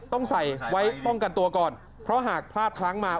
ต้องใส่ไว้ป้องกันตัวก่อนเพราะหากพลาดพลั้งมา